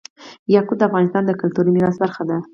یاقوت د افغانستان د کلتوري میراث برخه ده.